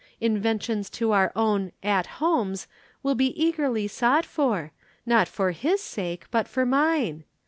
Invitations to our own 'At Homes' will be eagerly sought for not for his sake, but for mine.